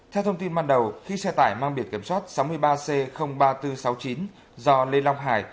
theo thông tin ban đầu khi xe tải mang biển kiểm soát sáu mươi ba c ba nghìn bốn trăm sáu mươi chín do lê long hải